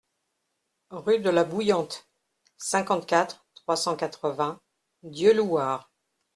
Rue de la Bouillante, cinquante-quatre, trois cent quatre-vingts Dieulouard